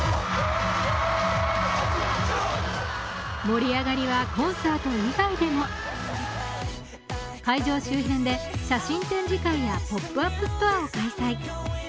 盛り上がりはコンサート以外でも会場周辺で写真展示会やポップアップストアを開催。